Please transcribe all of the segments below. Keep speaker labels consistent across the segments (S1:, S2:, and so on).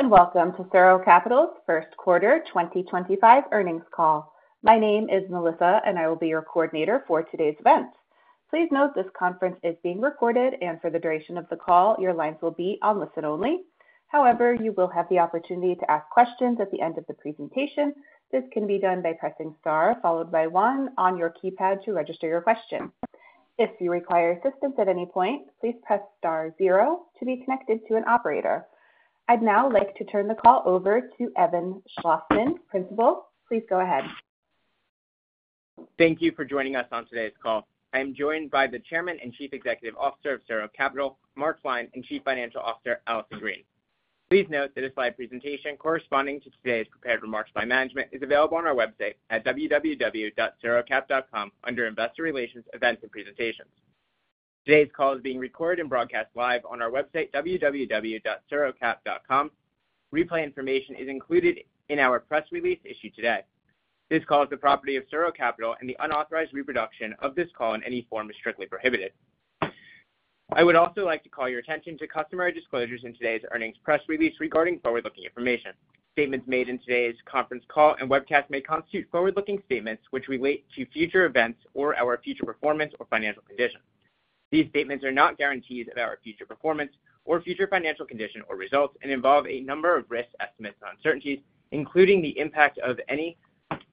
S1: Hello, and welcome to SuRo Capital's first quarter 2025 earnings call. My name is Melissa, and I will be your coordinator for today's event. Please note this conference is being recorded, and for the duration of the call, your lines will be on listen only. However, you will have the opportunity to ask questions at the end of the presentation. This can be done by pressing star followed by one on your keypad to register your question. If you require assistance at any point, please press star zero to be connected to an operator. I'd now like to turn the call over to Evan Schlossman, Principal. Please go ahead.
S2: Thank you for joining us on today's call. I am joined by the Chairman and Chief Executive Officer of SuRo Capital, Mark Klein, and Chief Financial Officer, Allison Green. Please note that a slide presentation corresponding to today's prepared remarks by management is available on our website at www.surocap.com under investor relations, events, and presentations. Today's call is being recorded and broadcast live on our website www.surocap.com. Replay information is included in our press release issued today. This call is the property of SuRo Capital, and the unauthorized reproduction of this call in any form is strictly prohibited. I would also like to call your attention to customer disclosures in today's earnings press release regarding forward-looking information. Statements made in today's conference call and webcast may constitute forward-looking statements which relate to future events or our future performance or financial condition. These statements are not guarantees of our future performance or future financial condition or results and involve a number of risk estimates and uncertainties, including the impact of any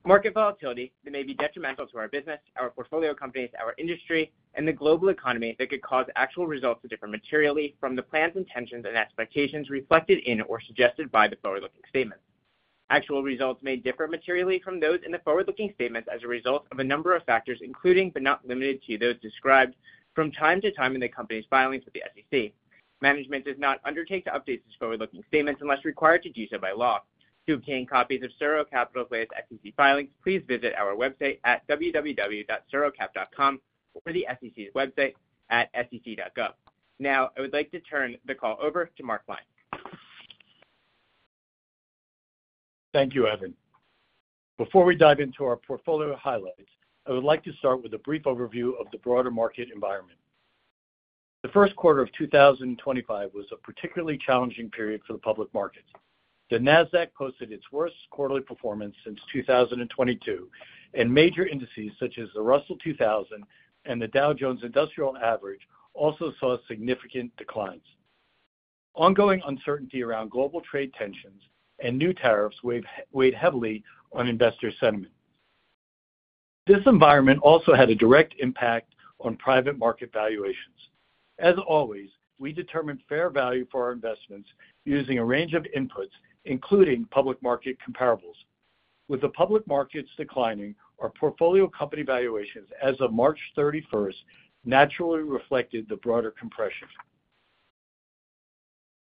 S2: market volatility that may be detrimental to our business, our portfolio companies, our industry, and the global economy that could cause actual results to differ materially from the plans, intentions, and expectations reflected in or suggested by the forward-looking statements. Actual results may differ materially from those in the forward-looking statements as a result of a number of factors, including but not limited to those described from time to time in the company's filings with the SEC. Management does not undertake to update these forward-looking statements unless required to do so by law. To obtain copies of SuRo Capital's latest SEC filings, please visit our website at www.surocap.com or the SEC's website at sec.gov. Now, I would like to turn the call over to Mark Klein.
S3: Thank you, Evan. Before we dive into our portfolio highlights, I would like to start with a brief overview of the broader market environment. The first quarter of 2025 was a particularly challenging period for the public markets. The Nasdaq posted its worst quarterly performance since 2022, and major indices such as the Russell 2000 and the Dow Jones Industrial Average also saw significant declines. Ongoing uncertainty around global trade tensions and new tariffs weighed heavily on investor sentiment. This environment also had a direct impact on private market valuations. As always, we determined fair value for our investments using a range of inputs, including public market comparables. With the public markets declining, our portfolio company valuations as of March 31st naturally reflected the broader compression.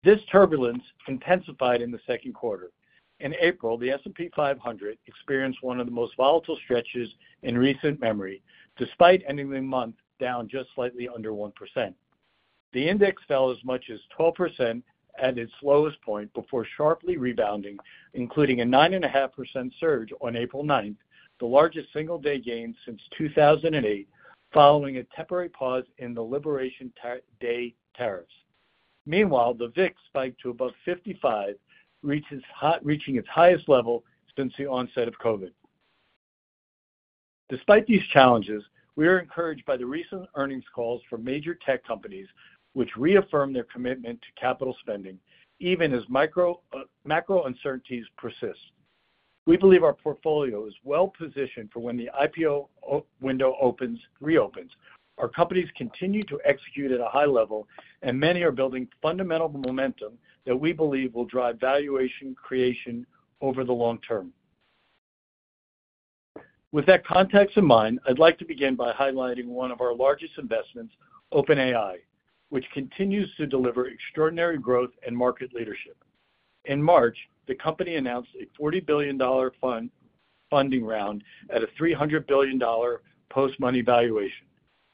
S3: This turbulence intensified in the second quarter. In April, the S&P 500 experienced one of the most volatile stretches in recent memory, despite ending the month down just slightly under 1%. The index fell as much as 12% at its lowest point before sharply rebounding, including a 9.5 % surge on April 9th, the largest single-day gain since 2008, following a temporary pause in the Liberation Day tariffs. Meanwhile, the VIX spiked to above 55, reaching its highest level since the onset of COVID. Despite these challenges, we are encouraged by the recent earnings calls from major tech companies, which reaffirm their commitment to capital spending, even as macro uncertainties persist. We believe our portfolio is well-positioned for when the IPO window reopens. Our companies continue to execute at a high level, and many are building fundamental momentum that we believe will drive valuation creation over the long term. With that context in mind, I'd like to begin by highlighting one of our largest investments, OpenAI, which continues to deliver extraordinary growth and market leadership. In March, the company announced a $40 billion funding round at a $300 billion post-money valuation,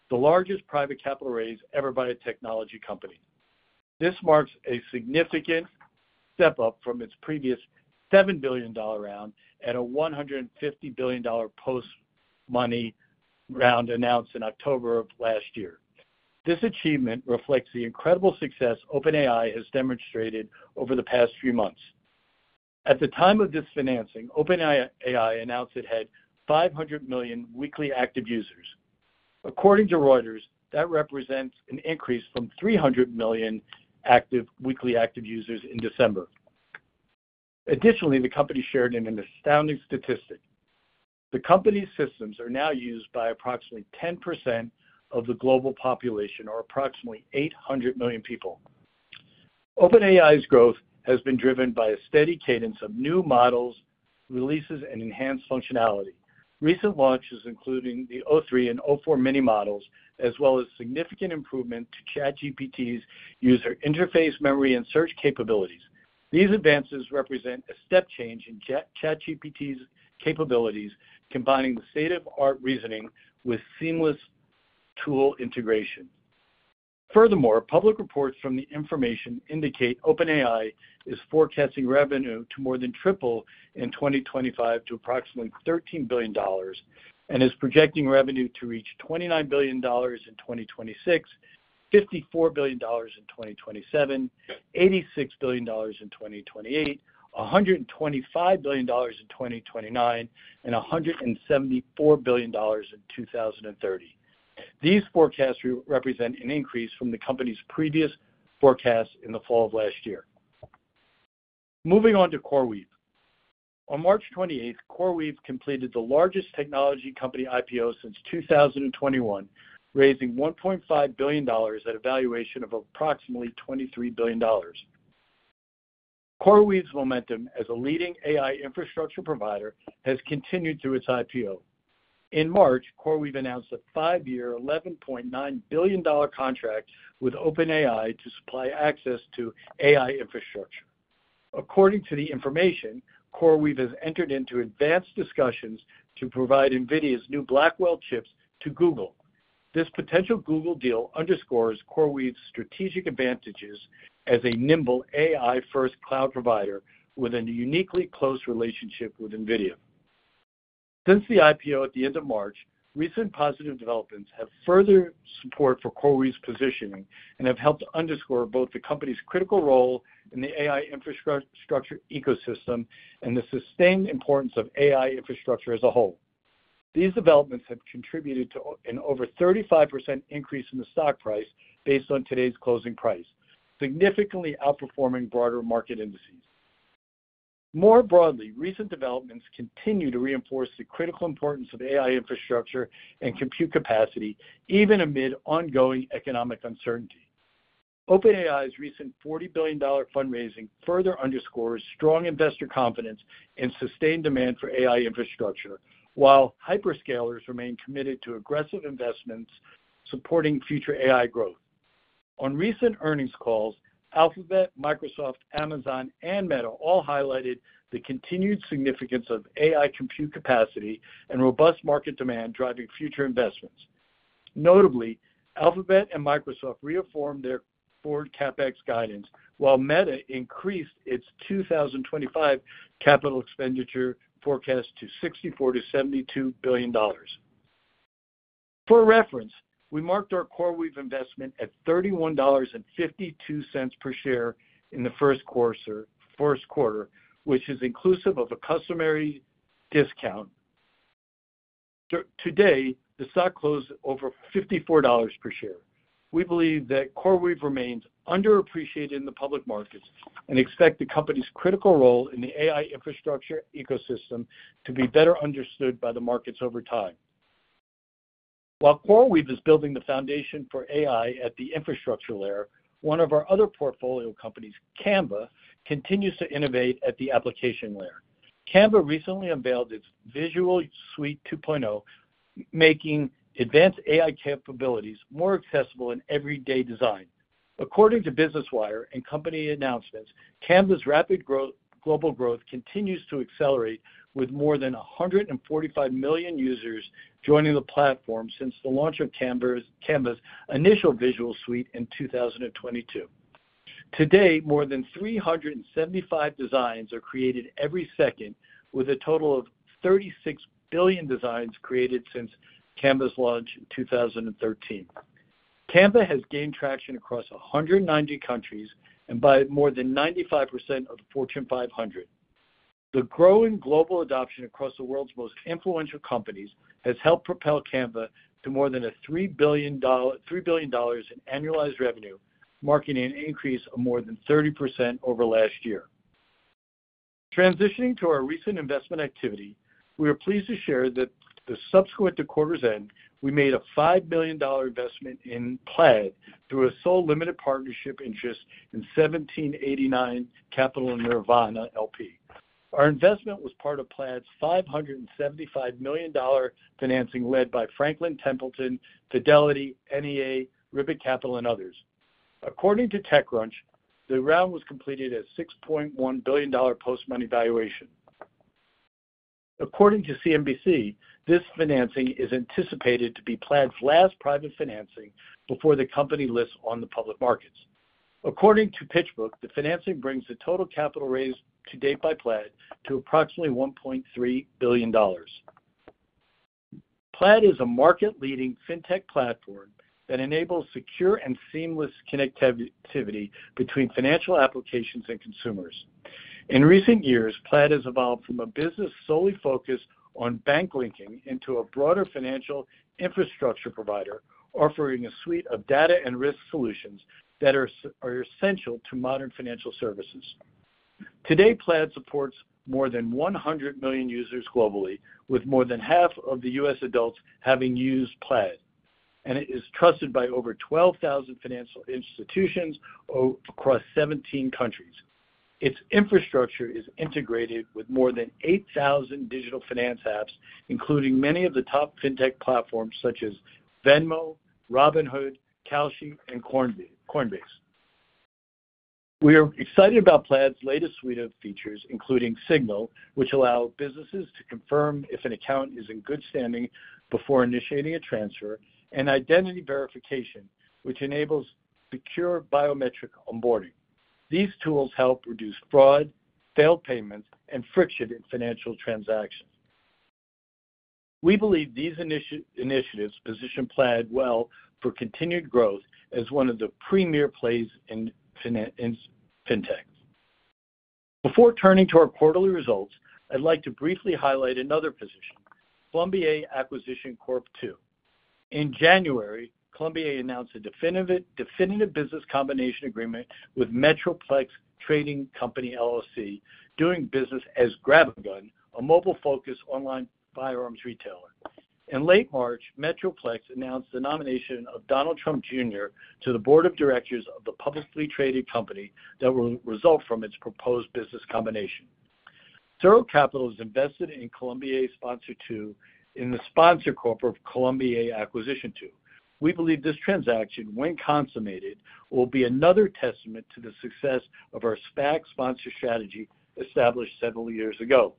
S3: the largest private capital raise ever by a technology company. This marks a significant step up from its previous $7 billion round and a $150 billion post-money round announced in October of last year. This achievement reflects the incredible success OpenAI has demonstrated over the past few months. At the time of this financing, OpenAI announced it had 500 million weekly active users. According to Reuters, that represents an increase from 300 million weekly active users in December. Additionally, the company shared an astounding statistic. The company's systems are now used by approximately 10% of the global population, or approximately 800 million people. OpenAI's growth has been driven by a steady cadence of new models, releases, and enhanced functionality. Recent launches, including the O3 and O4 mini models, as well as significant improvements to ChatGPT's user interface, memory, and search capabilities. These advances represent a step change in ChatGPT's capabilities, combining the state-of-the-art reasoning with seamless tool integration. Furthermore, public reports from The Information indicate OpenAI is forecasting revenue to more than triple in 2025 to approximately $13 billion and is projecting revenue to reach $29 billion in 2026, $54 billion in 2027, $86 billion in 2028, $125 billion in 2029, and $174 billion in 2030. These forecasts represent an increase from the company's previous forecasts in the fall of last year. Moving on to CoreWeave. On March 28th, CoreWeave completed the largest technology company IPO since 2021, raising $1.5 billion at a valuation of approximately $23 billion. CoreWeave's momentum as a leading AI infrastructure provider has continued through its IPO. In March, CoreWeave announced a five-year, $11.9 billion contract with OpenAI to supply access to AI infrastructure. According to the information, CoreWeave has entered into advanced discussions to provide NVIDIA's new Blackwell chips to Google. This potential Google deal underscores CoreWeave's strategic advantages as a nimble AI-first cloud provider with a uniquely close relationship with NVIDIA. Since the IPO at the end of March, recent positive developments have furthered support for CoreWeave's positioning and have helped underscore both the company's critical role in the AI infrastructure ecosystem and the sustained importance of AI infrastructure as a whole. These developments have contributed to an over 35% increase in the stock price based on today's closing price, significantly outperforming broader market indices. More broadly, recent developments continue to reinforce the critical importance of AI infrastructure and compute capacity, even amid ongoing economic uncertainty. OpenAI's recent $40 billion fundraising further underscores strong investor confidence and sustained demand for AI infrastructure, while hyperscalers remain committed to aggressive investments supporting future AI growth. On recent earnings calls, Alphabet, Microsoft, Amazon, and Meta all highlighted the continued significance of AI compute capacity and robust market demand driving future investments. Notably, Alphabet and Microsoft reaffirmed their forward CapEx guidance, while Meta increased its 2025 capital expenditure forecast to $64 billion-$72 billion. For reference, we marked our CoreWeave investment at $31.52 per share in the first quarter, which is inclusive of a customary discount. Today, the stock closed at over $54 per share. We believe that CoreWeave remains underappreciated in the public markets and expect the company's critical role in the AI infrastructure ecosystem to be better understood by the markets over time. While CoreWeave is building the foundation for AI at the infrastructure layer, one of our other portfolio companies, Canva, continues to innovate at the application layer. Canva recently unveiled its Visual Suite 2.0, making advanced AI capabilities more accessible in everyday design. According to Business Wire and company announcements, Canva's rapid global growth continues to accelerate, with more than 145 million users joining the platform since the launch of Canva's initial Visual Suite in 2022. Today, more than 375 designs are created every second, with a total of 36 billion designs created since Canva's launch in 2013. Canva has gained traction across 190 countries and brought more than 95% of the Fortune 500. The growing global adoption across the world's most influential companies has helped propel Canva to more than $3 billion in annualized revenue, marking an increase of more than 30% over last year. Transitioning to our recent investment activity, we are pleased to share that subsequent to quarter's end, we made a $5 million investment in Plaid through a sole limited partnership interest in 1789 Capital Nirvana LP. Our investment was part of Plaid's $575 million financing led by Franklin Templeton, Fidelity, NEA, Ribbit Capital, and others. According to TechCrunch, the round was completed at a $6.1 billion post-money valuation. According to CNBC, this financing is anticipated to be Plaid's last private financing before the company lists on the public markets. According to Pitchbook, the financing brings the total capital raised to date by Plaid to approximately $1.3 billion. Plaid is a market-leading fintech platform that enables secure and seamless connectivity between financial applications and consumers. In recent years, Plaid has evolved from a business solely focused on bank linking into a broader financial infrastructure provider, offering a suite of data and risk solutions that are essential to modern financial services. Today, Plaid supports more than 100 million users globally, with more than half of the U.S. adults having used Plaid, and it is trusted by over 12,000 financial institutions across 17 countries. Its infrastructure is integrated with more than 8,000 digital finance apps, including many of the top fintech platforms such as Venmo, Robinhood, Klarna, and Coinbase. We are excited about Plaid's latest suite of features, including Signal, which allows businesses to confirm if an account is in good standing before initiating a transfer, and Identity Verification, which enables secure biometric onboarding. These tools help reduce fraud, failed payments, and friction in financial transactions. We believe these initiatives position Plaid well for continued growth as one of the premier plays in fintech. Before turning to our quarterly results, I'd like to briefly highlight another position, Columbia Acquisition Corp. II. In January, Columbia announced a definitive business combination agreement with Metroplex Trading Company, doing business as GrabAGun, a mobile-focused online firearms retailer. In late March, Metroplex announced the nomination of Donald Trump Jr. to the board of directors of the publicly traded company that will result from its proposed business combination. Thorough Capital has invested in Columbia Sponsor II in the sponsor corporate of Columbia Acquisition II. We believe this transaction, when consummated, will be another testament to the success of our SPAC sponsor strategy established several years ago.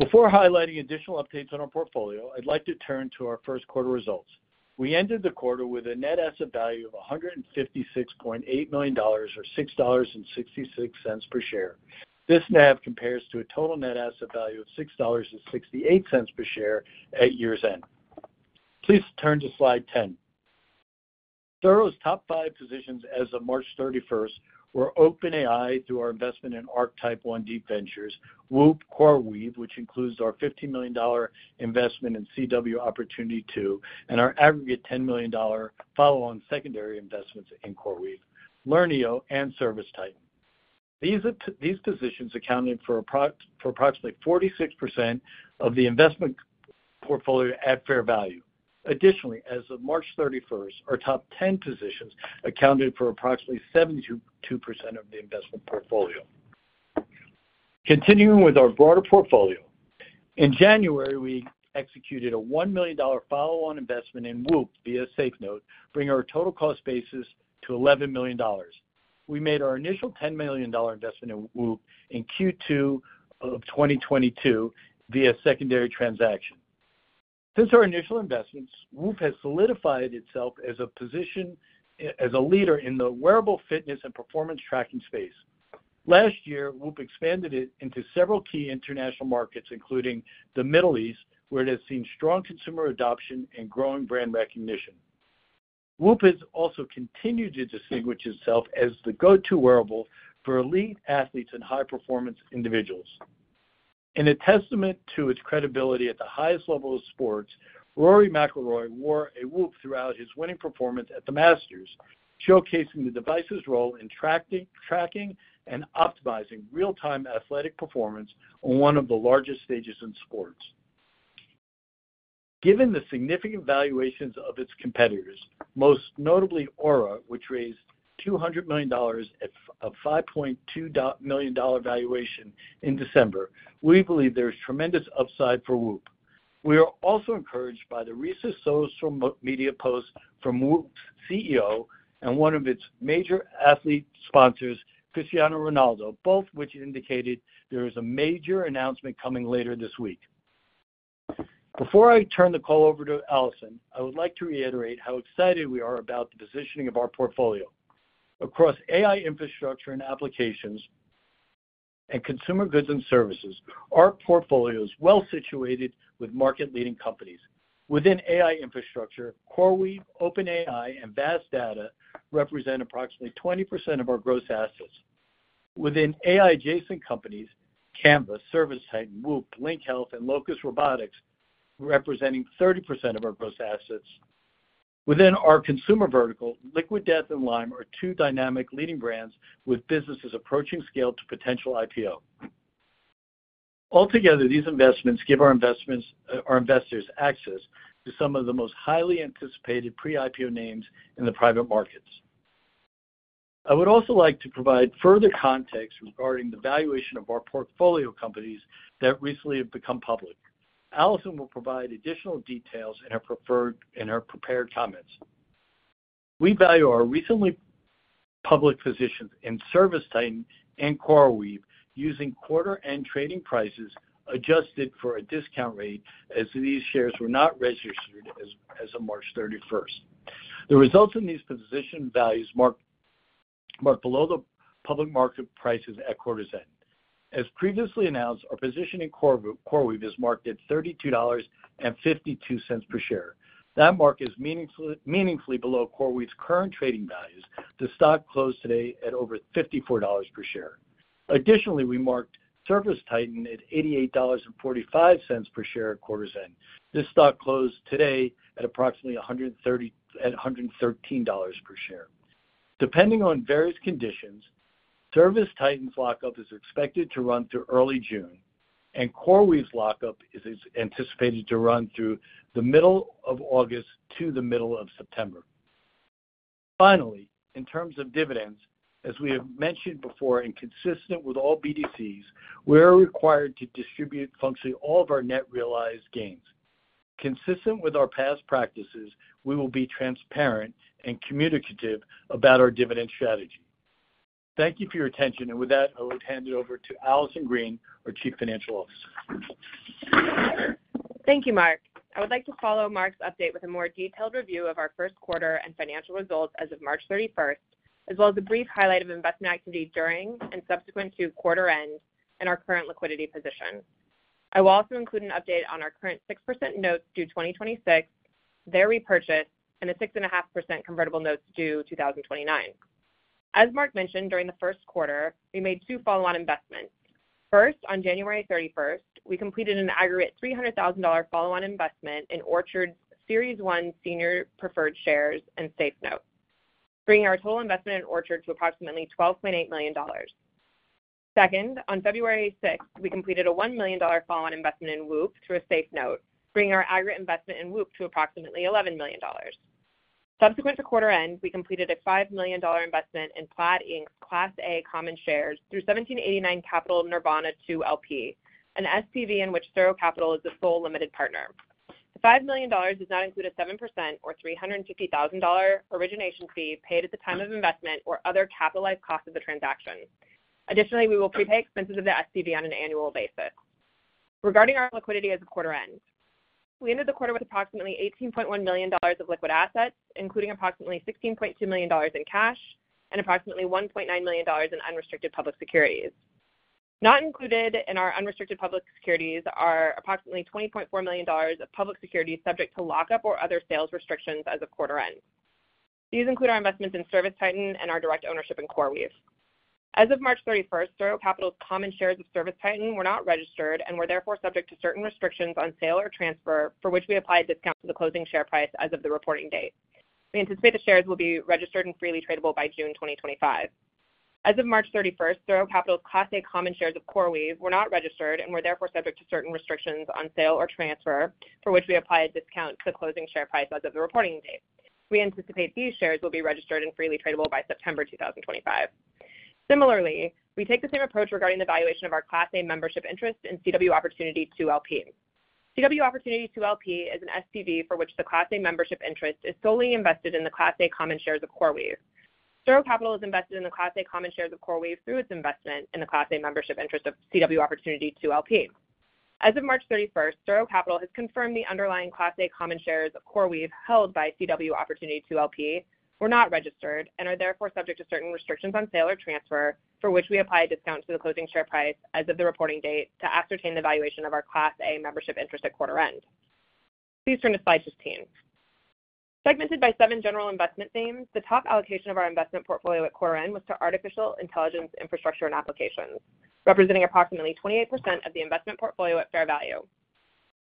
S3: Before highlighting additional updates on our portfolio, I'd like to turn to our first quarter results. We ended the quarter with a net asset value of $156.8 million, or $6.66 per share. This NAV compares to a total net asset value of $6.68 per share at year's end. Please turn to slide 10. SuRo's top five positions as of March 31st were OpenAI through our investment in Arc Type I Deep Ventures, Whoop, CoreWeave, which includes our $15 million investment in CW Opportunity II, and our aggregate $10 million follow-on secondary investments in CoreWeave, Lernio, and ServiceTitan. These positions accounted for approximately 46% of the investment portfolio at fair value. Additionally, as of March 31st, our top 10 positions accounted for approximately 72% of the investment portfolio. Continuing with our broader portfolio, in January, we executed a $1 million follow-on investment in Whoop via a safe note, bringing our total cost basis to $11 million. We made our initial $10 million investment in Whoop in Q2 of 2022 via a secondary transaction. Since our initial investments, Whoop has solidified itself as a leader in the wearable fitness and performance tracking space. Last year, Whoop expanded into several key international markets, including the Middle East, where it has seen strong consumer adoption and growing brand recognition. Whoop has also continued to distinguish itself as the go-to wearable for elite athletes and high-performance individuals. In a testament to its credibility at the highest level of sports, Rory McIlroy wore a Whoop throughout his winning performance at the Masters, showcasing the device's role in tracking and optimizing real-time athletic performance on one of the largest stages in sports. Given the significant valuations of its competitors, most notably aura, which raised $200 million at a $5.2 billion valuation in December, we believe there is tremendous upside for Whoop. We are also encouraged by the recent social media posts from Whoop's CEO and one of its major athlete sponsors, Cristiano Ronaldo, both of which indicated there is a major announcement coming later this week. Before I turn the call over to Allison, I would like to reiterate how excited we are about the positioning of our portfolio. Across AI infrastructure and applications and consumer goods and services, our portfolio is well situated with market-leading companies. Within AI infrastructure, CoreWeave, OpenAI, and Vast Data represent approximately 20% of our gross assets. Within AI-adjacent companies, Canva, ServiceTitan, Whoop, Link Health, and Locus Robotics representing 30% of our gross assets. Within our consumer vertical, Liquid Death and Lime are two dynamic leading brands with businesses approaching scale to potential IPO. Altogether, these investments give our investors access to some of the most highly anticipated pre-IPO names in the private markets. I would also like to provide further context regarding the valuation of our portfolio companies that recently have become public. Allison will provide additional details in her prepared comments. We value our recently public positions in ServiceTitan and CoreWeave using quarter-end trading prices adjusted for a discount rate as these shares were not registered as of March 31st. The results in these position values marked below the public market prices at quarter's end. As previously announced, our position in CoreWeave is marked at $32.52 per share. That mark is meaningfully below CoreWeave's current trading values. The stock closed today at over $54 per share. Additionally, we marked ServiceTitan at $88.45 per share at quarter's end. This stock closed today at approximately $113 per share. Depending on various conditions, ServiceTitan's lockup is expected to run through early June, and CoreWeave's lockup is anticipated to run through the middle of August to the middle of September. Finally, in terms of dividends, as we have mentioned before and consistent with all BDCs, we are required to distribute functionally all of our net realized gains. Consistent with our past practices, we will be transparent and communicative about our dividend strategy. Thank you for your attention. With that, I would hand it over to Allison Green, our Chief Financial Officer.
S4: Thank you, Mark. I would like to follow Mark's update with a more detailed review of our first quarter and financial results as of March 31st, as well as a brief highlight of investment activity during and subsequent to quarter end and our current liquidity position. I will also include an update on our current 6% notes due 2026, their repurchase, and the 6.5% convertible notes due 2029. As Mark mentioned, during the first quarter, we made two follow-on investments. First, on January 31st, we completed an aggregate $300,000 follow-on investment in Orchard's Series one Senior Preferred Shares and Safe Note, bringing our total investment in Orchard to approximately $12.8 million. Second, on February 6, we completed a $1 million follow-on investment in Whoop through a Safe Note, bringing our aggregate investment in Whoop to approximately $11 million. Subsequent to quarter end, we completed a $5 million investment in Plaid's Class A Common Shares through 1789 Capital Nirvana II LP, an SPV in which Thorough Capital is the sole limited partner. The $5 million does not include a 7% or $350,000 origination fee paid at the time of investment or other capitalized cost of the transaction. Additionally, we will prepay expenses of the SPV on an annual basis. Regarding our liquidity as of quarter end, we ended the quarter with approximately $18.1 million of liquid assets, including approximately $16.2 million in cash and approximately $1.9 million in unrestricted public securities. Not included in our unrestricted public securities are approximately $20.4 million of public securities subject to lockup or other sales restrictions as of quarter end. These include our investments in ServiceTitan and our direct ownership in CoreWeave. As of March 31st, SuRo Capital's common shares of ServiceTitan were not registered and were therefore subject to certain restrictions on sale or transfer for which we applied discounts to the closing share price as of the reporting date. We anticipate the shares will be registered and freely tradable by June 2025. As of March 31st, SuRo Capital's Class A common shares of CoreWeave were not registered and were therefore subject to certain restrictions on sale or transfer for which we applied discounts to the closing share price as of the reporting date. We anticipate these shares will be registered and freely tradable by September 2025. Similarly, we take the same approach regarding the valuation of our Class A membership interest in CW Opportunity 2 LP. CW Opportunity 2 LP is an SPV for which the Class A membership interest is solely invested in the Class A Common Shares of CoreWeave. Thorough Capital is invested in the Class A Common Shares of CoreWeave through its investment in the Class A membership interest of CW Opportunity 2 LP. As of March 31, Thorough Capital has confirmed the underlying Class A Common Shares of CoreWeave held by CW Opportunity 2 LP were not registered and are therefore subject to certain restrictions on sale or transfer for which we apply a discount to the closing share price as of the reporting date to ascertain the valuation of our Class A membership interest at quarter end. Please turn to slide 16. Segmented by seven general investment themes, the top allocation of our investment portfolio at quarter end was to artificial intelligence infrastructure and applications, representing approximately 28% of the investment portfolio at fair value.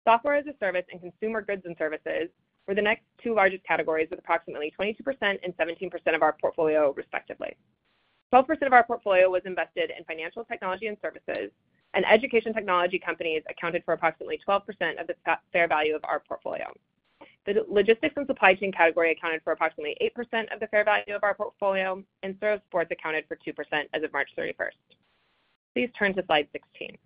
S4: Software as a service and consumer goods and services were the next two largest categories with approximately 22% and 17% of our portfolio, respectively. 12% of our portfolio was invested in financial technology and services, and education technology companies accounted for approximately 12% of the fair value of our portfolio. The logistics and supply chain category accounted for approximately 8% of the fair value of our portfolio, and sports accounted for 2% as of March 31st. Please turn to slide 16.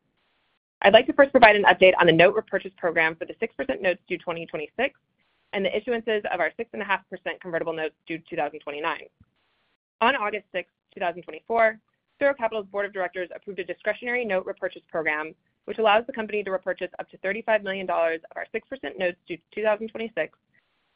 S4: I'd like to first provide an update on the note repurchase program for the 6% notes due 2026 and the issuances of our 6.5% convertible notes due 2029. On August 6th, 2024, SuRo Capital's Board of Directors approved a discretionary note repurchase program, which allows the company to repurchase up to $35 million of our 6% notes due 2026,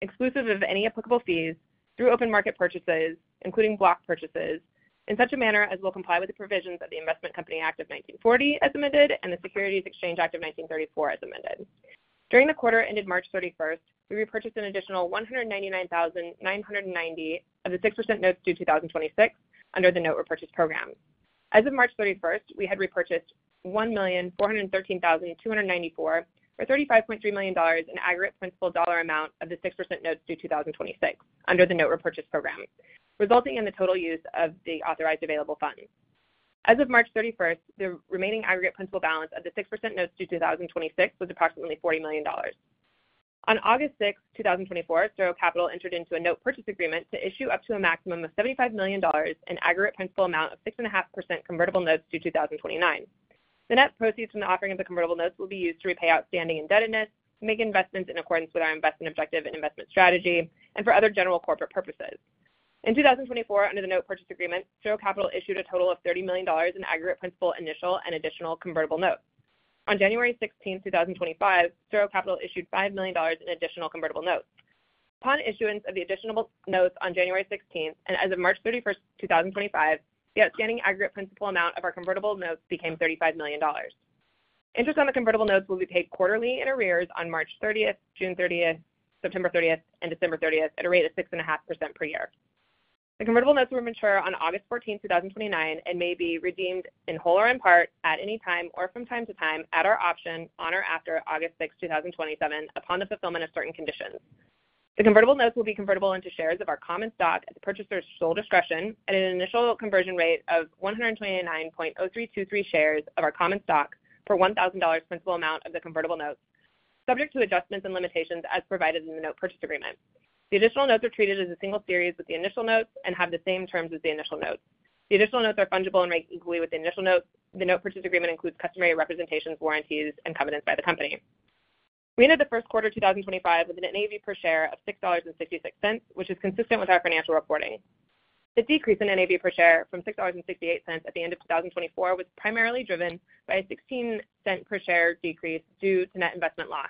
S4: exclusive of any applicable fees through open market purchases, including block purchases, in such a manner as will comply with the provisions of the Investment Company Act of 1940 as amended and the Securities Exchange Act of 1934 as amended. During the quarter ended March 31st, we repurchased an additional $199,990 of the 6% notes due 2026 under the note repurchase program. As of March 31st, we had repurchased $1,413,294 of the 6% notes due 2026 under the note repurchase program, resulting in the total use of the authorized available funds. As of March 31st, the remaining aggregate principal balance of the 6% notes due 2026 was approximately $40 million. On August 6th, 2024, SuRo Capital entered into a note purchase agreement to issue up to a maximum of $75 million in aggregate principal amount of 6.5% convertible notes due 2029. The net proceeds from the offering of the convertible notes will be used to repay outstanding indebtedness, make investments in accordance with our investment objective and investment strategy, and for other general corporate purposes. In 2024, under the note purchase agreement, SuRo Capital issued a total of $30 million in aggregate principal initial and additional convertible notes. On January 16th, 2025, SuRo Capital issued $5 million in additional convertible notes. Upon issuance of the additional notes on January 16th and as of March 31st, 2025, the outstanding aggregate principal amount of our convertible notes became $35 million. Interest on the convertible notes will be paid quarterly in arrears on March 30th, June 30th, September 30th, and December 30th at a rate of 6.5% per year. The convertible notes will mature on August 14th, 2029, and may be redeemed in whole or in part at any time or from time to time at our option on or after August 6th, 2027, upon the fulfillment of certain conditions. The convertible notes will be convertible into shares of our common stock at the purchaser's sole discretion at an initial conversion rate of 129.0323 shares of our common stock for $1,000 principal amount of the convertible notes, subject to adjustments and limitations as provided in the note purchase agreement. The additional notes are treated as a single series with the initial notes and have the same terms as the initial notes. The additional notes are fungible and rate equally with the initial notes. The note purchase agreement includes customary representations, warranties, and covenants by the company. We ended the first quarter 2025 with an NAV per share of $6.66, which is consistent with our financial reporting. The decrease in NAV per share from $6.68 at the end of 2024 was primarily driven by a $0.16 per share decrease due to net investment loss,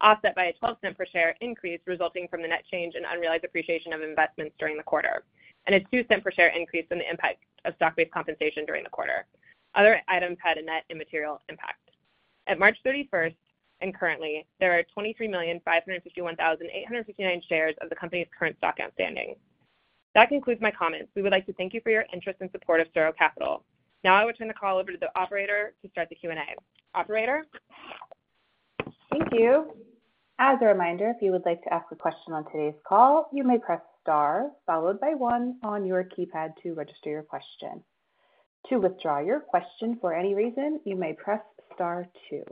S4: offset by a $0.12 per share increase resulting from the net change in unrealized appreciation of investments during the quarter, and a $0.02 per share increase in the impact of stock-based compensation during the quarter. Other items had a net immaterial impact. At March 31st and currently, there are 23,551,859 shares of the company's current stock outstanding. That concludes my comments. We would like to thank you for your interest and support of SuRo Capital. Now I will turn the call over to the operator to start the Q&A. Operator.
S1: Thank you. As a reminder, if you would like to ask a question on today's call, you may press star followed by one on your keypad to register your question. To withdraw your question for any reason, you may press star two.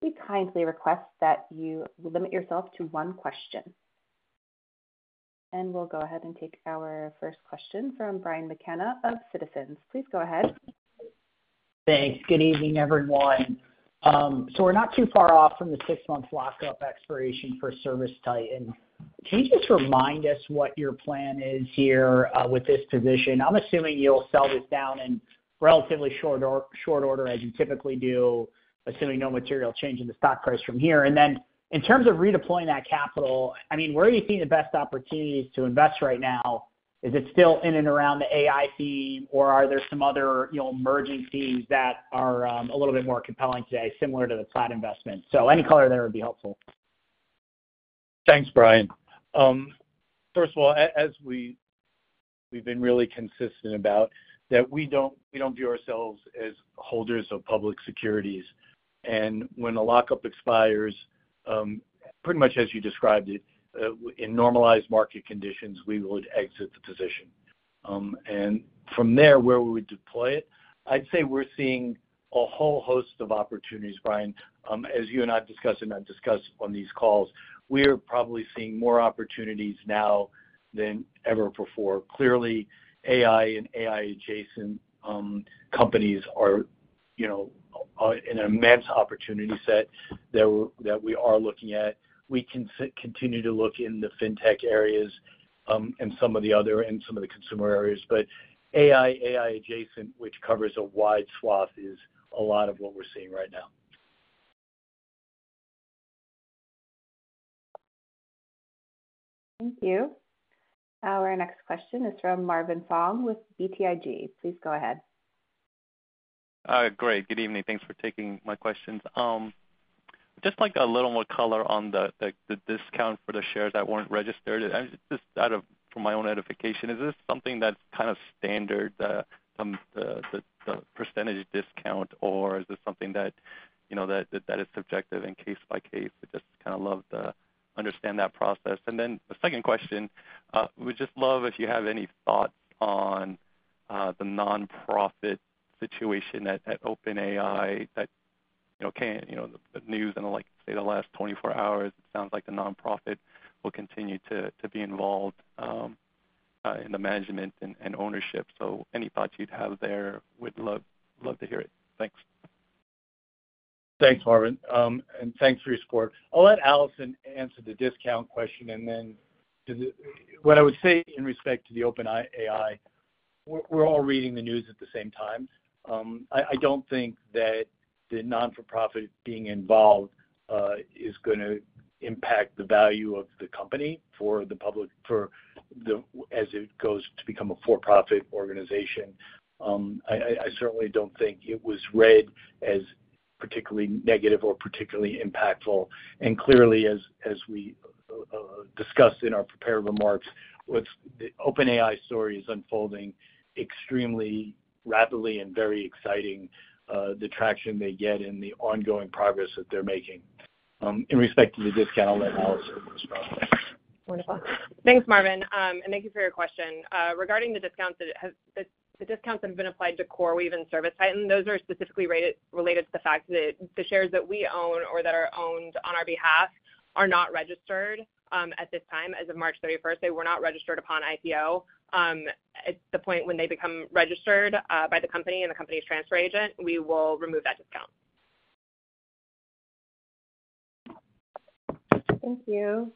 S1: We kindly request that you limit yourself to one question. We'll go ahead and take our first question from Brian McKenna of Citizens. Please go ahead.
S5: Thanks. Good evening, everyone. We're not too far off from the six-month lockup expiration for ServiceTitan. Can you just remind us what your plan is here with this position? I'm assuming you'll sell this down in relatively short order as you typically do, assuming no material change in the stock price from here. In terms of redeploying that capital, I mean, where are you seeing the best opportunities to invest right now? Is it still in and around the AI theme, or are there some other emerging themes that are a little bit more compelling today, similar to the Plaid investment? Any color there would be helpful.
S3: Thanks, Brian. First of all, as we've been really consistent about that, we don't view ourselves as holders of public securities. When a lockup expires, pretty much as you described it, in normalized market conditions, we would exit the position. From there, where we would deploy it, I'd say we're seeing a whole host of opportunities, Brian. As you and I have discussed and I have discussed on these calls, we are probably seeing more opportunities now than ever before. Clearly, AI and AI-adjacent companies are an immense opportunity set that we are looking at. We continue to look in the fintech areas and some of the other and some of the consumer areas. AI, AI-adjacent, which covers a wide swath, is a lot of what we're seeing right now.
S1: Thank you. Our next question is from Marvin Fong with BTIG. Please go ahead.
S6: Great. Good evening. Thanks for taking my questions. Just like a little more color on the discount for the shares that were not registered. Just out of my own edification, is this something that is kind of standard, the % discount, or is this something that is subjective and case by case? I just kind of love to understand that process. The second question, we'd just love if you have any thoughts on the nonprofit situation at OpenAI that the news and, like I say, the last 24 hours, it sounds like the nonprofit will continue to be involved in the management and ownership. Any thoughts you'd have there, we'd love to hear it. Thanks.
S3: Thanks, Marvin. And thanks for your support. I'll let Allison answer the discount question. What I would say in respect to the OpenAI, we're all reading the news at the same time. I don't think that the nonprofit being involved is going to impact the value of the company for the public as it goes to become a for-profit organization. I certainly don't think it was read as particularly negative or particularly impactful. Clearly, as we discussed in our prepared remarks, the OpenAI story is unfolding extremely rapidly and very exciting, the traction they get and the ongoing progress that they're making. In respect to the discount, I'll let Allison respond. Wonderful.
S4: Thanks, Marvin. And thank you for your question. Regarding the discounts that have been applied to CoreWeave and ServiceTitan, those are specifically related to the fact that the shares that we own or that are owned on our behalf are not registered at this time. As of March 31st, they were not registered upon IPO. At the point when they become registered by the company and the company's transfer agent, we will remove that discount.
S1: Thank you.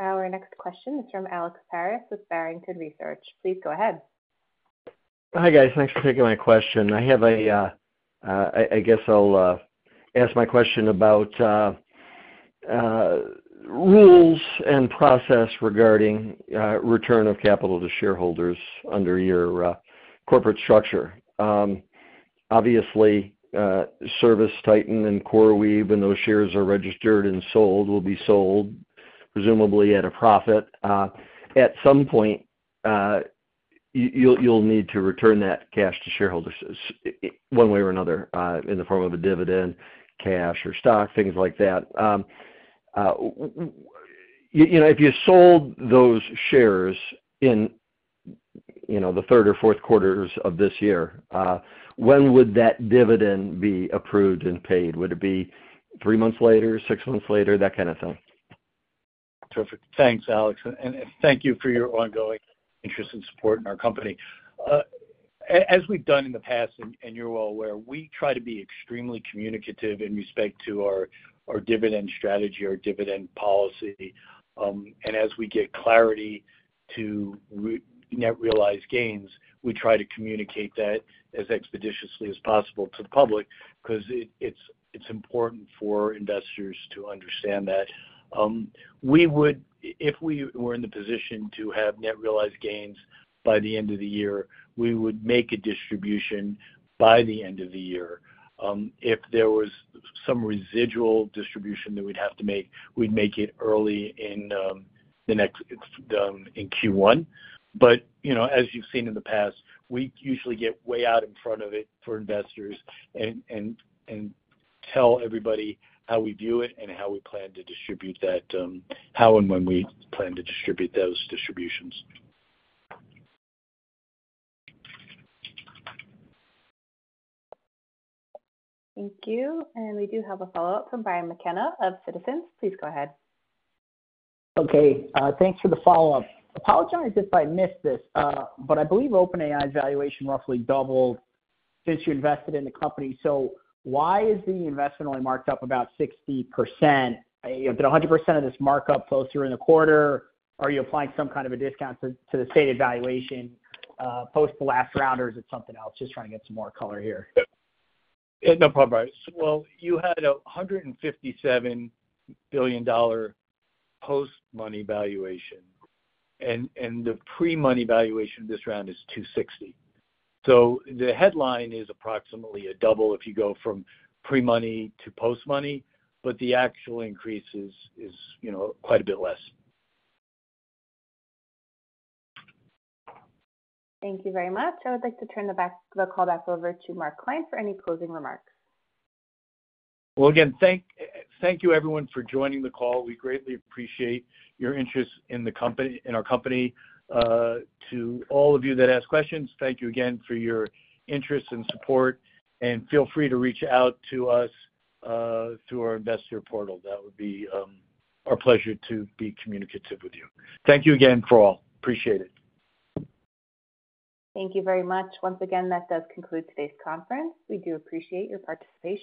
S1: Our next question is from Alex Paris with Barrington Research. Please go ahead.
S7: Hi, guys. Thanks for taking my question. I guess I'll ask my question about rules and process regarding return of capital to shareholders under your corporate structure. Obviously, ServiceTitan and CoreWeave, when those shares are registered and sold, will be sold presumably at a profit. At some point, you'll need to return that cash to shareholders one way or another in the form of a dividend, cash, or stock, things like that. If you sold those shares in the third or fourth quarters of this year, when would that dividend be approved and paid? Would it be three months later, six months later, that kind of thing? Terrific.
S3: Thanks, Alex. Thank you for your ongoing interest and support in our company. As we've done in the past, and you're well aware, we try to be extremely communicative in respect to our dividend strategy, our dividend policy. As we get clarity to net realized gains, we try to communicate that as expeditiously as possible to the public because it's important for investors to understand that. If we were in the position to have net realized gains by the end of the year, we would make a distribution by the end of the year. If there was some residual distribution that we'd have to make, we'd make it early in Q1. As you've seen in the past, we usually get way out in front of it for investors and tell everybody how we view it and how we plan to distribute that, how and when we plan to distribute those distributions.
S1: Thank you. We do have a follow-up from Brian McKenna of Citizens. Please go ahead.
S5: Okay. Thanks for the follow-up. Apologize if I missed this, but I believe OpenAI's valuation roughly doubled since you invested in the company. So why is the investment only marked up about 60%? Did 100% of this markup close through in the quarter? Are you applying some kind of a discount to the stated valuation post the last round, or is it something else? Just trying to get some more color here.
S3: No problem. You had a $157 billion post-money valuation, and the pre-money valuation this round is $260 billion. The headline is approximately a double if you go from pre-money to post-money, but the actual increase is quite a bit less.
S1: Thank you very much. I would like to turn the call back over to Mark Klein for any closing remarks.
S3: Again, thank you, everyone, for joining the call. We greatly appreciate your interest in our company. To all of you that asked questions, thank you again for your interest and support. Feel free to reach out to us through our investor portal. It would be our pleasure to be communicative with you. Thank you again for all. Appreciate it.
S1: Thank you very much. Once again, that does conclude today's conference. We do appreciate your participation.